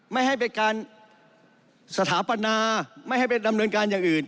ไม่ให้เป็นการสถาปนาไม่ให้ไปดำเนินการอย่างอื่น